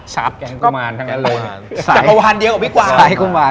จับแหละ